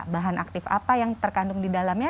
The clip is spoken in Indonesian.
bahan aktif apa yang terkandung di dalamnya